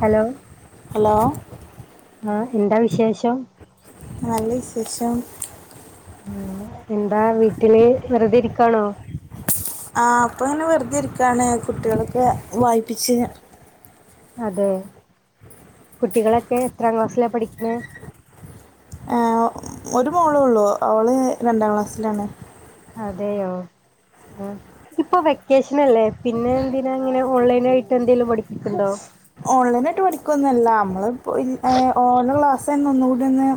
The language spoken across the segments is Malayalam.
ഹലോ ഹലോ ആഹ എന്താ വിശേഷം നല്ല വിശേഷം ഉ എന്താ വീട്ടില് വെറുത ഇരിക്കാണോ ആഹ അപ്പൊങ്ങനെ വെറുതെ ഇരിക്കയാണ് കുട്ടികളൊക്കെ വായിപ്പിച്ച് അതെ കുട്ടികളൊക്കെ എത്രാം ക്ലാസ്സിലാണ് പഠിക്കണ ഹ ഒരു മോളേ ഉള്ളൂ അവൾ രണ്ടാം ക്ലാസ്സിലാണ് അതെയോ ഉം ഇപ്പോ വെക്കേഷൻല്ലേ പിന്നെ എന്തിനാ അങ്ങനെ ഓൺലൈൻ ആയിട്ട് എന്തെങ്കലിലും പഠിപ്പിക്കണ്ടോ ഓൺലൈനായിട്ട് പഠിക്കുവനുല്ല നമ്മള് ഇപ്പോ ഇ എ ഓൺലൈ ക്ലാസ്ന്ന ഒന്നുകൂടിന്ന്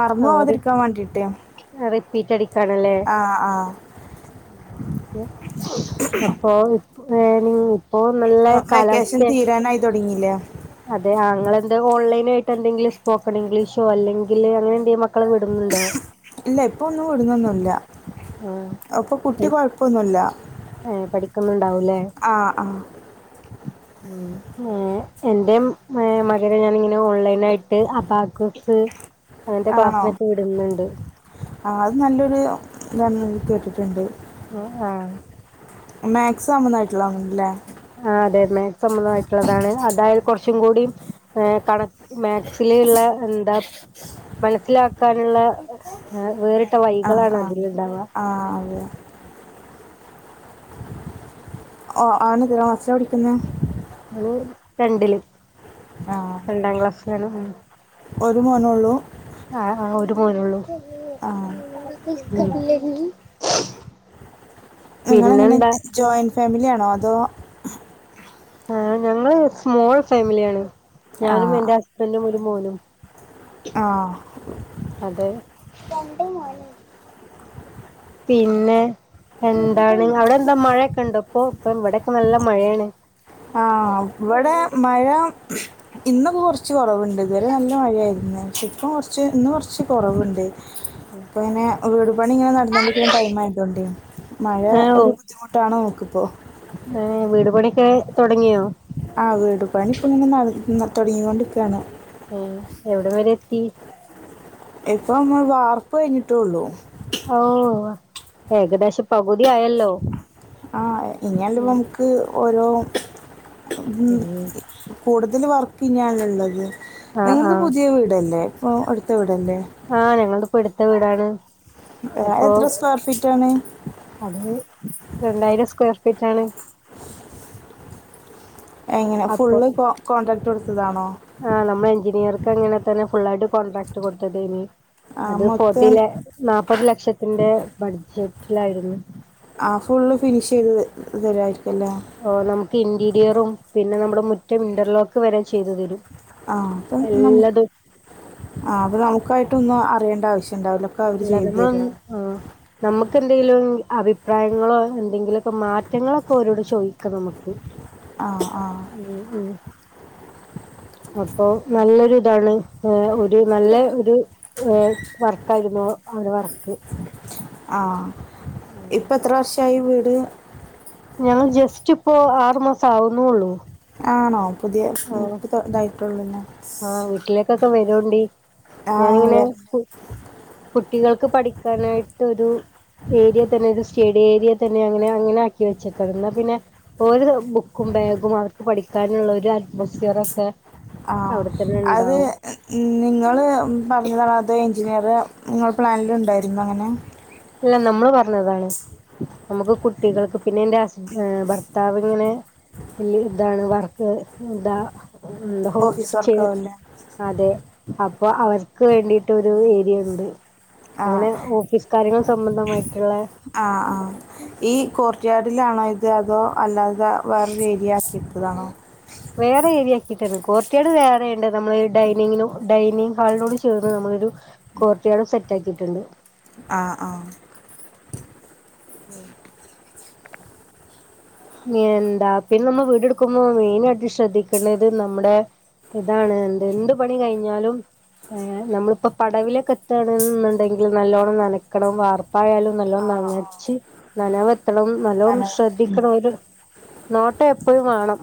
മറന്നു ഓര് പോവാതിരിക്കാൻ വേണ്ടിട്ടേ റിപ്പീറ്റ് അടിക്കാണല്ലേ ആഹ ആഹ അപ്പൊ ഇപ്പോനി ഇപ്പോ നല്ല കാലാവസ്ഥയ തുടങ്ങില്ലേ അതെ ആങ്ങളൻ്റ് ഓൺലൈനായിട്ട് എന്തെങ്കിലും സ്പോക്കൺ ഇംഗ്ലീഷോ അല്ലെങ്കിൽ അങ്ങനെ എന്തെു മ ഇല്ല ഇപ്പൊ ഒന്നും ടുന്നൊനുല്ല ആഹ് അപ്പൊ കുട്ടി കൊഴപ്പൊന്നുല്ല ഏ പഠിക്കുന്നുണ്ടാവൂല്ലേ ആഹ ആഹ ഉം ഉം എന്റെ മകനെ ഞാാനിങ്ങനെ ഓൺലൈൻ ആയിട്ട് അബകോസ് അങ്ങത്തെ ക്ലാസ്സിനൊക്കെ വിടുന്നുണ്ട് ആഹ അത് നല്ലൊരുത കേട്ടിട്ടുണ്ട് ആഹ മാക്സമന്നായിട്ടുള്ളല്ലേ ആഹ അതന്നെ സംബന്ധമായിട്ടുള്ളതാണ് അതായൽ കുറച്ചും കൂടിും കണ മാത്സിലുള്ള എന്താ മനസ്സിലാക്കാനുള്ള വേറിട്ട ആഹ് വൈകളാണ് ആഹ് അതിൽണ്ടാവുക ആഹ് അതെ ഓ ആണ് എത്രാം ക്ലാസ്സിലാ പടിക്കുന്ന ഇനി രണ്ടില് ആഹ് രണ്ടാം ക്ലാസ്സിലാണ് ഒരു മോനുള്ളൂ ആഹ ആഹ ഒരു മോനള്ളൂ ആഹ ഇല്ലേ [inaudible] നിങ്ങളിങ്ങനെ ജോയിന്റ് ഫാമിലിയാണോ അതോ ആഹ ഞങ്ങള് സ്മോൾ ഫാമിലിയാണ് ഞാനും ആഹ് എന്റെ ഹസ്ബൻറും ഒരു മോനും ആഹ അതെ പിന്നെ എന്താണ് അവിടെ എന്താ മഴയൊക്കെ ഇണ്ടോ ഇപ്പൊ ഇപ്പ ഇവിടെൊക്കെ നല്ല മഴയാണ് ആ ഇവിടെ മഴ ഇന്നൊക്കെ കുറച്ച് കുറവുണ്ട് ഇതുവരെ നല്ല മഴയായിരുന്നു ഇപ്പ കൊറച്ച് ഇന്ന് കൊറച്ച് കൊറവുണ്ട് ഇപ്പൊ ന്നെ വീടുപണിങ്ങനെ നടന്നുകോണ്ടിരിക്കുന്ന ടൈം ആയതൊണ്ട് മഴ ഒരു ബുദ്ധിമുട്ടാണോ നമക്കിപ്പോ ഏ വീട് പണിയൊക്കെ തുടങ്ങിയോ ആ വീട് പണി ഇപ്പ ഇങ്ങനെ നട തുടങ്ങിണ്ടിക്കയാണ് ആ എവിടെ വരെ എത്തി ഇപ്പം വാർപ്പ് കഴിഞ്ഞിട്ടേള്ളൂ ഓ എകദോശ പകുതി ആയല്ലോ ആ ഇഞ്ഞാണ് ഉം നമുക്ക് ഓരോ ഉം കൂടുതൽ വർക്ക് ഇന്നിയാണുള്ളത് ആഹ് നിങ്ങളത് ആഹ് പുതിയ വീടല്ലേ ഓ അടുത്തവിടെല്ലേ ആഹ് ഞങ്ങളുടെ ഇപ്പൊ എടുത്ത വീടാണ് ഇപ്പോ എത്ര സ്ക്വയർ ഫീറ്റാണ് അത് രണ്ടായിരം സ്ക്വയർ ഫീറ്റ് ആണ് എങ്ങനെ ഫുള്ള് കോ കോൺടാക്ട് കൊടുത്തതാണോ ആ നമ്മൾ എഞ്ചിനിയർക്ക് അങ്ങനെ തന്നെ ഫുൾായിട്ട് കോണ്ട്രക്ട് കൊടുത്തത് ഏനി ആ അത് ഫോർട്ടി മൊത്തം ല നാല്പ്പത് ലക്ഷത്തിന്റെ ബഡ്ജറ്റിലായിരുന്നു ആ ഫുള്ള് ഫിനിഷ്യ്ത് തരുമായിരിക്കും അല്ലേ ഓ നമുക്ക് ഇന്റീരിയറും പിന്നെ നമ്മുടെ മുറ്റം ഇന്റർലോക്ക് വരെ ചെയ്തു തരും ആ അപ്പം നമുക്ക് എല്ലതും ആ അപ്പ നമുക്കായിട്ട ഒന്നും അറിയേണ്ട ആവശ്യംണ്ടാവില്ലോ ഇല്ല നമ്മള ആ നമുക്ക്ന്തെങ്കിലും അഭിപ്രായങ്ങളോ എന്തെങ്കിലുമൊക്കെ മാറ്റങ്ങളൊക്കെ ഓരോട് ചോദിക്കാം നമുക്ക് ആഹ് ആഹ് ഉം അപ്പൊ നല്ലൊരു ഇതാണ് ഏ ഒരു നല്ല ഒരു ഏ വർക്കായിരുന്നു അവരെ വർക്ക് ആഹ ഇപ്പ എത്ര വർഷായി വീട് ഞങ്ങൾ ജസ്റ്റ് ഇപ്പോ ആറു മാസം ആവുന്നുള്ളൂ ആണോ പുതിയ ആഹ് ഇതായിട്ടുള്ളൂന്നാ ആഹ് വീട്ടിലേക്കൊക്കെ വരോണ്ടി ആ ഞാനിങ്ങനെ വര് കുട്ടികൾക്ക് പഠിക്കാനായിട്ടൊ ഒരു ഏരിയ തന്നെ ഒരു സ്റ്റേഡി ഏരിയ തന്നെ അങ്ങനെ അങ്ങനെ ആക്കി വെച്ചക്കുന്ന പിന്നെ ഓര് ബുക്കും ബാഗും അവർക്ക് പഠിക്കാനുള്ള ഒരു അറ്റ്മോസ്ഫിയർ ഒക്കെ ആഹ് അവിടു അത് നിങ്ങൾ പറഞ്ഞതാണോ അതോ എഞ്ചിനീയർ നിങ്ങൾ പ്ലാനിലുണ്ടായിരുന്നൊ അങ്ങനെ ഇല്ല നമ്മള് പറഞ്ഞതാണ് നമുക്ക് കുട്ടികൾക്ക് പിന്നെ എന്റെ ഹസ് ഭർത്താവിന് പിന്നെ അ ഇതാണ് വർക്ക് ഇതാ എന്തോ ഓഫീസ് സ്റ്റ് വർക്ക് ആവുല്ലേ അതെ അപ്പൊ അവർക്ക് വേണ്ടിയിട്ടരു ഏരിയ ഇണ്ട് ആഹ് അങ്ങനെ ഓഫീസ് കാര്യങ്ങൾ സംബന്ധമായിട്ടുള്ള ആഹ ആഹ ഈ കോർട്ട്യയാർഡിലാണോ ഇത് അതോ അല്ലാതെ വേറൊ ഏരിയ ആക്കിയിട്ടതാണോ വേറെ ഏരിയ ആക്കിയിട്ടരുന്നു കോർട്ടയാാട് വേറെയണ്ട് നമ്മള് ഡൈനിങ്ങ ഡൈനിങ് ഹാളിനോട് ചേർന്ന് നമ്മളൊരു കോർട്ട്യയാർഡിലാണോ സെറ്റ് ആക്കിയിട്ടുണ്ട് ആ ആഹ എന്താ പിന്നെ നമ്മൾ വീടെടുക്കുമ്പോ മെയിന് ആയിട്ട് ശ്രദ്ധിക്കണ്ടത് നമ്മുടെ ഇതാണ് എന്ത് എന്ത് പണി കഴിഞ്ഞോലും നമ്മളിപ്പ പടവിലൊക്കെ എത്തണന്നുണ്ടെങ്കിൽ നല്ലോണം നനക്കണം വാർപ്പായാലും നല്ലോ നനച്ച് നനവത്രണം നല്ലോ നനവ് ശ്രദ്ധി ഉം നോട്ട എപ്പഴും വേണം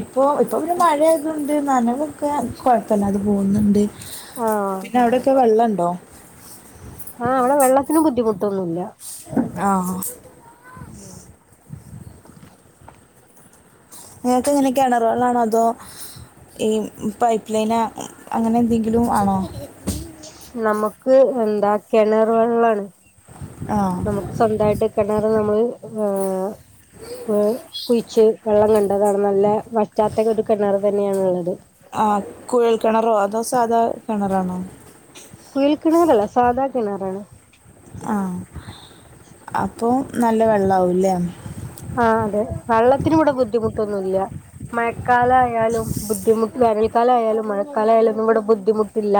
ഇപ്പോ ഇപ്പോൾ ഇവിടെ മഴയതണ്ട് നനവൊക്കെ കുഴപ്പമില്ലാ അത് പോകുന്നുണ്ട് ആഹ് പിന്നെ അവിടെൊക്കെ വെള്ളം ഇണ്ടോ ആഹ് ഇവിടെ വെള്ളത്തിന് ബുദ്ധിമുട്ടൊന്നുമല്ല ആഹ നിങ്ങൾക്ക് എങ്ങനെ കിണറുവേളാണോ അതോ ഈ പൈപ്പ് ലൈൻ അങ്ങനെ എന്തെങ്കിലും ആണോ നമുക്ക് എന്താ കിണർ വെള്ളാണ് ആഹ സ്വന്തമായിട്ട് കിണറ് നമ്മള് കുഴച്ച് വെള്ളം കണ്ടതാണ് നല്ല വറ്റാത്ത ഒരു കിണർ തന്നെയണുള്ളത് ആഹ കുഴൽ കിണറോ അതോ സാധാ കിണറാണോ കുയിൽ കിണറല്ല സാദാ കിണറാണ് ആ അപ്പോ നല്ല വെള്ളവുംലെ ആഹാ അതെ വെള്ളത്തിന് ഇവിടെ ബുദ്ധിമുട്ടൊന്നുമല്ല മഴക്കാല ആയാലും ബുദ്ധിമുട്ട് വേനൽക്കാലംയാലും മഴക്കാലമായയാലുംന്നും ഇവിടെ ബുദ്ധിമുട്ടില്ല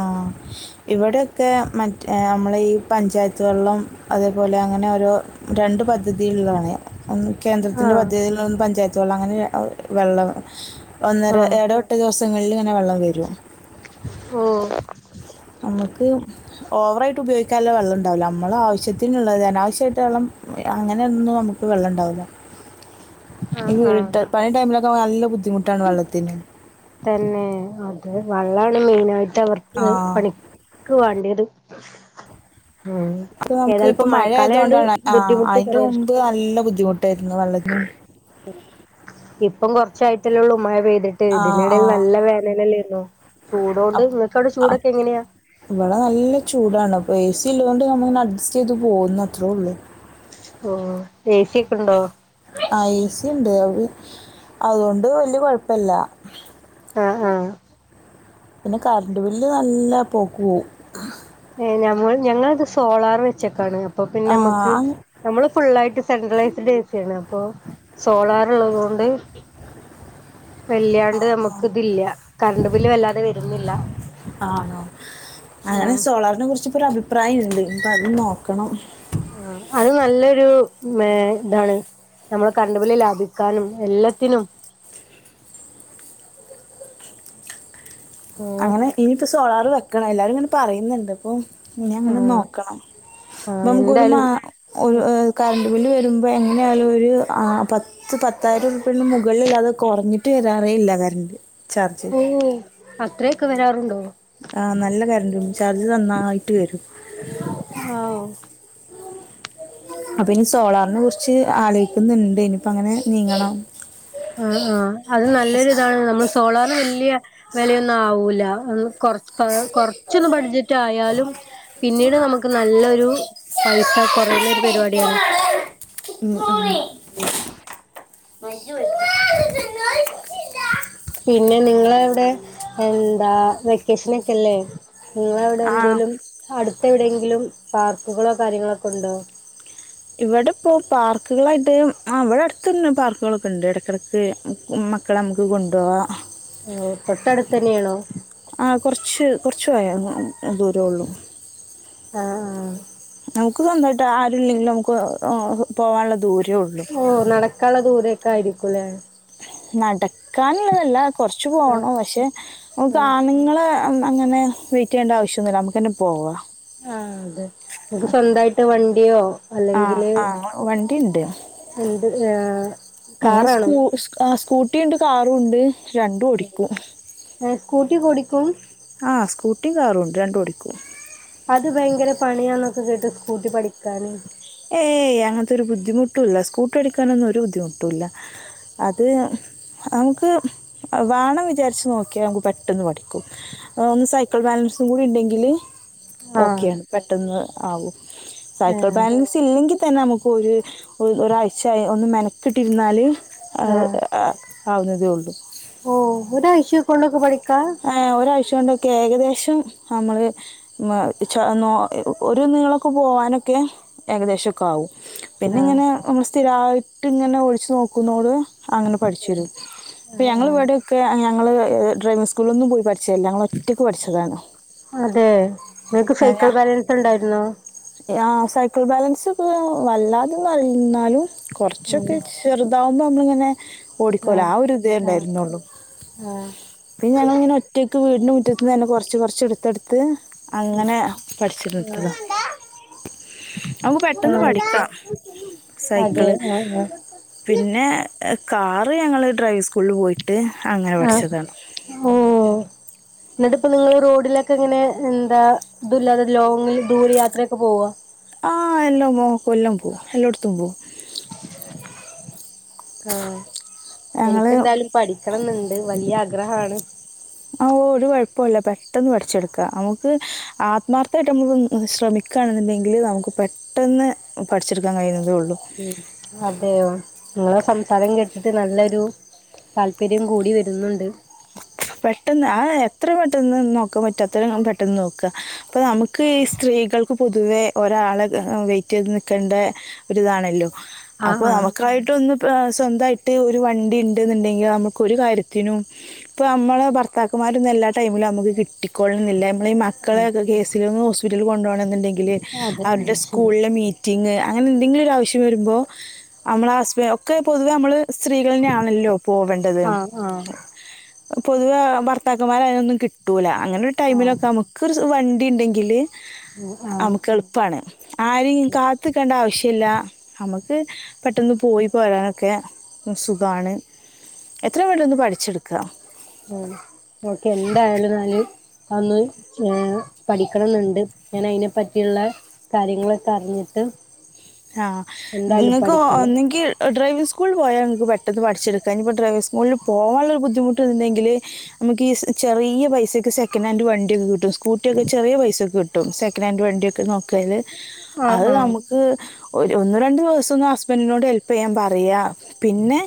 ആഹ ഇവിടെയൊക്കെ മറ്റ നമ്മള ഈ പഞ്ചായത്തുവേളം അതേപോലെ അങ്ങനെ ഓരോ രണ്ട് പദ്ധതികളാണ് കേന്ദ്രത്തിന്റെ ആഹ് പദ്ധതിൽന്ന് പഞ്ചായത്ത വെള്ളം അങ്ങനെ വെള്ളം ഒന്നര ആഹ് ഏട ദിവസങ്ങളിൽ ഇങ്ങനെ വെള്ളം വരും ഓ നമുക്ക് ഓവറായിട്ട് ഉപയോഗിക്കാല്ലോ വെള്ളം ഉണ്ടാവില്ല നമ്മൾ ആവശ്യത്തിനുള്ളത് അനാവശ്യമായിട്ട് വള്ളം അങ്ങനെയൊന്നും നമു ഇപ്പ വെള്ളംണ്ടാവുന്ന [inaudible] വീ ആഹ് പണി ടൈമിലൊക്കെ നല്ല ബുദ്ധിമുട്ടാണ് വെള്ളത്തിന് തന്നെ അത് വെള്ളമാണ് മെയിന ആായിട്ട് അവർക്ക് ആ പണി വാണ്ടി അത് ഉം അത് നമുക്ക് ഏതാാലപ്പ ഇപ്പൊ മഴക്കാലംണ്ട് ബുദ്ധിമുട്ട് കുറവ ഇ നല്ല ബുദ്ധിമുട്ടായിരുന്നു വള്ളത്തിന് ഇപ്പം കൊറച്ചായിട്ടള്ള ഉ മവേദ വിട്ട് ആ ആ ഇതിനിടയിൽ നല്ല വേനല്ലരുന്നുോ ചൂടൊണ്ട് അപ്പ് നിങ്ങക്ക് അവിടെ അപ്പ് ചൂടൊക്കെ എങ്ങനെയാ ഇവിടെ നല്ല ചൂടാണ് അപ്പൊ എ സി ഇള്ളൊണ്ട് നമ്മ ഇങ്ങനെ അഡ്ജസ്റ്റ് ചെയ്ത് പോകുന്ന അത്രേ ഉള്ളു ഓ എഏ സ ഒക്കെണ്ടോ ആഹ എഏ സ ഉണ്ട് അ അതുകൊണ്ട് വല്ിയ കുഴപ്പല്ല ആഹ ആഹ പിന്നെ കറണ്ട് ബില്ല് നല്ല പോക്ക് പോവും ഏ ഞമ്മൾ ഞങ്ങളത് സോളാർ വെച്ചക്കാണ് അപ്പൊ ആ പിന്നെ നമ്മുക്ക് അങ്- നമ്മള് ഫുുള്ളായിട്ട് സെൻട്രലൈസ്ഡ് എഏ സിയ ആാണ് അപ്പൊ സോളാർ ഉള്ളത്ുക കൊണ്ട് വള്ളിയാണ്ട് നമുക്ക് ഇതില്ല കറണ്ട് ബില് വല്ലാതെ വരുന്നില്ല ആണോ അങ്ങനെ ഉം സോളാറിനെ കുറിച്ച്പ്പോ അഭിപ്രായംുണ്ട് ഇപ്പൊ അത് നോക്കണം ആ അത് നല്ലൊരു ഇതാണ് നമ്മള കറണ്ട്പല് ലാഭി ക്കാനും എല്ലാത്തിനും ഉം അങ്ങനെ ഇനിയിപ്പോ സോളാർ വെക്കണ എല്ലാരും ഇങ്ങനെ പറയുന്നുണ്ട് ഇപ്പൊ ഇനി അങ്ങനെ ആഹ് നോക്കണം ഇപ്പൊ ആഹ് നമുക്ക്ൊരു എന്തായാലും മാ ഒരു കറണ്ട് ബില് വരുമ്പോ എങ്ങനെയ ആാലും ഒരു പത്ത് ഇ പത്തായിരം രൂപന് മുകളില്ലാതെ കുറഞ്ഞിട്ട് വരാറേ ഇല്ല കാരണ്ട് ഓ അത്രയൊക്കെ വരാറുണ്ടോ ആഹ് നല്ല കാരണ്ട് ചാർജ് നന്നായിട്ട് വരും ഓ അപ്പൊ ഇനി സോളാറിനെ കുറിച്ച് ആലോചിക്കുന്നുണ്ട് ഇനിപ്പ അങ്ങനെ നീങ്ങണം ആഹ് ആഹ് അത് നല്ലൊരു ഇതാണ് നമ്മള് സോളാറിന് വല്യ വിലയൊന്നും ആവൂല കൊറ കൊറച്ചന്ന് ബാഡ്ചറ്റആയാലും പിന്നീട് നമക്ക് നല്ലൊരു പൈസ കുറയുന്ന ഒരു പരിപാടിയാണ് ഉം ഉം [inaudible] പിന്നെ നിങ്ങള അവിടെ എന്താ വെക്കേഷൻ ഒക്കെല്ലേ നിങ്ങളവിടെ ആ എന്തേലും അടുത്തെ എവിടെ എങ്കിലും പാർക്കുകളോ കാര്യങ്ങളൊക്കെ ഉണ്ടോ ഇവിടെപ്പോ പാർക്കുകളായിട്ട് ആ ഇവിടെ അടുത്തന്ന പാർക്കുകളൊക്കെ ഉണ്ട് ഇടക്കിടക്ക് മക്കളെ നമുക്ക് കൊണ്ടുപോകാം ഓ തൊട്ടടുത്ത് തന്നെയാണോ ആ കുറച്ച് കുറച്ച് ദൂരേള്ളു ആഹ് ആഹ് നമുക്ക് സ്വന്തമായിട്ട് ആരുല്ലെങ്കിലും നമുക്ക് പോവള്ള ദൂരേ ഉള്ളു ഓ നടക്കള്ള ദൂരൊക്കെ ആയിരിക്കുംല്ലേ നടക്കാനുള്ളതല്ല കൊറച്ചു ആഹ് പോണം പക്ഷെ ആഹ് ആണ്ങ്ങള അന്ന് അങ്ങനെ വെയിറ്റ് ചെയ്യേണ്ട ആവശ്യന്നുല്ല നമക്കന്നെ പോവ ആ അതെ നിക്ക് സ്വന്തയിട്ട് വണ്ടിയോ ആ അല്ലെങ്കില് ആ വണ്ടി എന്ത് ഏ നമ്മള് സ്കൂ സ്കൂട്ടിയുണ്ട് കാറുംണ്ട് രണ്ടും ഓടിക്കും ഏ സ്കൂട്ടിയൊക്കെ ഓടിക്കും ആ സ്കൂട്ടിം കാറുംണ്ട് രണ്ടും ഓടിക്കും അത് ഭയങ്കര പണിയാന്നൊക്കെ കേട്ട് സ്കൂട്ടി പഠിക്കാന് ഏയ് അങ്ങൻത്തൊരു ബുദ്ധിമുട്ടുല്ല സ്കൂട്ടി പഠിക്കാനൊന്നും ഒരു ബുദ്ധിമുട്ടുല്ല അത് നമക്ക് വണം വിചാരിച്ച് നോക്കിയാ നമുക്ക് പെട്ടെന്ന് പഠിക്കും ഒന്ന് സൈക്കിൾ ബാലൻസും കൂടിണ്ടെങ്കില് ആഹ് ഓക്കെയാണ് പെട്ടെന്ന് ആകും സൈക്കിൾ ഏഹ് ബാലൻ സില്ലെങ്കിൽ തന്നെ നമുക്ക് ഒരു ഒരാഴ്ച ഒന്ന് മെനക്കിട്ടിരുന്നാൽ അ ആവുന്നതേ ഉള്ളൂ ഓ ഒരാഴ്ചകൊണ്ടൊക്കെ പഠിക്കാ ഏ ഒരാഴ്ചക്കൊണ്ടൊക്കെ ഏകദേശം നമ്മള് ഒരു നീളൊക്കെ പോവാനൊക്കെ ഏകദേശൊക്കെ ആവും ആഹ് പിന്നെങ്ങനെ നമ്മൾ സ്ഥിരായിട്ട്ങ്ങനെ ഓടിച്ച് നോക്കുന്നോണ്ട് അങ്ങനെ ഏഹ് പഠിച്ചുവരും പ്പോ ആഹ് ഞങ്ങൾ ആഹ് വിടെയൊക്കെ ഞങ്ങള് ഡ്രൈവിംഗ് സ് കൂളൊന്നും പോയി പഠിച്ചതല്ല ഞങ്ങൾ ഒറ്റക്ക് പഠിച്ചതാണ് അതെ നിങ്ങക്ക് സൈക്കിൾ ബാലൻസ് ഉണ്ടായിരുന്നോ ആ സൈക്കിൾ ബാലൻസ് വല്ലാതന്ന് ന്നാലും ഉം കുറച്ചൊക്കെ ചെറുതാവുമ്പോ നമ്മളിങ്ങനെ ഓടിക്കൂലെ ആഹ് ആ ഒരു ആഹ് ഇതേണ്ടായിരുന്നുള്ളു ആഹ് പിന്നെ ഞങ്ങളിങ്ങനെ ഒറ്റയ്ക്ക് വീടിന്റെ മുറ്റത്ത്ന്നന്നെ കുറച്ച് കുറച്ച് എടുത്തെടുത്ത് അങ്ങനെ പഠിച്ചെടുത്തതാ നമ്മക് ആഹ് പെട്ടെന്ന് ആഹ് പഠിക്കാ അതെ സൈക്കള് ആഹ് ആഹ് പിന്നെ കാറ് ഞങ്ങൾ ഡ്രൈവിംഗ് സ്കൂളിൽ പോയിട്ട് അങ്ങനെ പഠിച്ചതാണ് ഓ ന്നിട്ടപ്പ നിങ്ങൾ റോഡിലൊക്കെ ങ്ങനെ എന്താ ത് ല്ലാതെ ലോങ്ങിൽ ദൂര യാത്രയൊക്കെ പോവോ ആഹ് എല്ലാം പോവും കൊല്ലം പോവും എല്ലോടത്തും പോവും ആ ഞങ്ങൾ എനിക്കെന്തായാലും പഠിക്കണംന്നുണ്ട് വലിയ ആഗ്രഹാണ് ആഓ ഒരു കുഴപ്പൊല്ല പെട്ടെന്ന് പടിച്ചെടുക്ക നമുക്ക് ആത്മാർത്ഥായിട്ട് നമ്മുക്ക് ശ്രമി ക്കാണെന്നുണ്ടെങ്കിൽ നമുക്ക് പെട്ടെന്ന് പഠിച്ചെടുക്കാൻ കഴിയുന്നതേ ഉള്ളൂ ഉം അതെയോ ങ്ങളെ സംസാരം കേട്ടിട്ട് നല്ലൊരു താല്പര്യം കൂടി വരുന്നുണ്ട് പെട്ടെന്ന് ആ എത്ര പെട്ടെന്ന് നോക്കാപറ്റോ അത്ര പെട്ടെന്ന് നോക്കുക പ്പൊ നമുക്ക് ഈ സ്ത്രീകൾ ക്ക് പൊതുവേ ഒരാളെ വെയിറ്റെയ്ത് നിക്കേണ്ട ഒരിതാണല്ലോ അപ്പൊ ആഹ് ആഹ് നമുക്കായിട്ടൊന്ന് സ്വന്തായിട്ട് ഒരു വണ്ടിണ്ട്ന്നുണ്ടെങ്കിൽ നമുക്ക് ഒരു കാര്യത്തിനും പ്പോ നമ്മളെ ഭർത്താക്കന്മാരൊന്നും എല്ലാ ടൈമിലും നമുക്ക് കിട്ടിക്കൊളണംന്നില്ല നമ്മളീ ഉം മക്കളെക്കെ കേസിൽ ഹോസ്പിറ്റലിൽ കൊണ്ടോണംന്നുണ്ടെങ്കിൽ അതെ അവരുടെ ആഹ് ശരി സ്കൂളിലെ മീ റ്റിങ്ങ് അങ്ങനെ എന്തെങ്കിലും ഒരു ആവശ്യം വരുമ്പോ നമ്മള ഹസ്ബൻ ഒക്കെ പൊതുവേ നമ്മള് സ്ത്രീകളെന്നെയാണല്ലോ പോവണ്ടത് ആ പൊതുവെ ഭർത്താക്കന്മാരെ അതിനൊന്നും കിട്ടൂല്ല അങ്ങനെരു ആഹ് ടൈമിലൊക്കെ നമുക്ക രു വണ്ടിണ്ടെങ്കിൽ ഉം ആഹ് നമുക്ക് എളുപ്പാണ് ആരിം കാത്ത്ക്കണ്ട ആവശ്യല്ല നമ്മുക്ക് പെട്ടെന്ന് പോയി പോരാനൊക്കെ സുഖാണ് എത്രയും പെട്ടന്ന് പഠിച്ചെടുക്ക ആ ഓക്കെ എന്തായാലും ന്നാൽ അതൊന്ന് ഏ പഠിക്കണംന്നുണ്ട് ഞാൻ അയിനെ പറ്റിയുള്ള കാര്യങ്ങളൊക്കെ അറിഞ്ഞിട്ട് ആ എന്തായാലും ങ്ങക്ക് പഠിക്കണം ഒന്നെങ്കിൽ ഡ്രൈവിംഗ് സ്കൂളിൽ പോയാൽ പെട്ടെന്ന് പഠിച്ചിരിക്കാ അയ്‌നിപ്പോ ഡ്രൈവിസ്കൂളിൽ പോകാനുള്ള ഒരു ബുദ്ധിമുട്ടുണ്ടെങ്കിൽ നമുക്ക്ഈ ചെറിയ പൈസക്ക് സെക്കനൻ്റ് വണ്ടിയൊക്കെ കിട്ടും സ്കൂട്ടിക്കെ ചെറി പൈസക്കെ മതി കിട്ടും ട്ടും സെക്കനൻഡ് വണ്ടിക്കെ നോക്കിയാല് ആഹ് അത് ആഹ് നമുക്ക് ഒന്ന് രണ്ടു ദിവസൊന്ന് ഹസ്ബൻഡിനോട് ഹെല്പ് ചെയ്യാൻ പറയാ പിന്നെ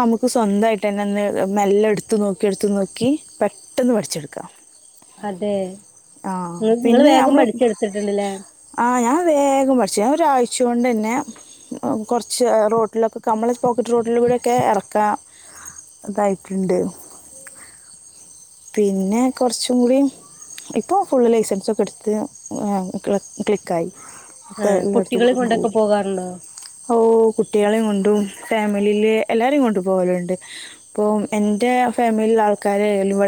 നമുക്ക് സ്വന്തായിട്ട് തന്നെ ഒന്ന് മെല്ലടുത്ത് നോക്കി ടുത്ത് നോക്കി പെട്ടെന്ന് പഠിച്ചെടുക്കാം അതെ ആ നി നിങ്ങൾ പിന്നെ വേഗം നമ്മൾ പഠിച്ചെടുത്തിട്ടുണ്ട്ല്ലേ ആ ഞാൻ വേഗം പഠിച്ചു ഞാൻ ഒരാഴ്ചോണ്ട്ന്നെ കുറച്ച് റോട്ടിലൊക്കെ മ്മള പോക്കറ്റ് റോട്ടിലൂടെക്കെ ഇറക്കാം തായിട്ടുണ്ട് പിന്നെ കുറച്ചൂടിം ഇപ്പോ ഫുള്ള് ലൈസൻസൊക്കെടുത്ത് ക്ലിക്കായി ആ ഇപ്പം എല്ലായിടത്തും കുട്ടികളെ കൂടെ പോകും കൊണ്ടൊക്കെ പോകാറുണ്ടോ ഓ കുട്ടികളെകൊണ്ടും ഫാമിലിയില് എല്ലാരും കൊണ്ടും പോവലണ്ട് പ്പൊന്റെ ഫാമിലിൽ ആൾക്കാരെ ഇവിടെ